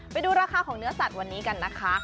ไปดูราคาของเนื้อสัตว์วันนี้กันนะคะ